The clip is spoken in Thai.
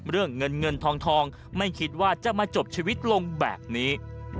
เรื่องเงินเงินทองไม่คิดว่าจะมาจบชีวิตลงแบบนี้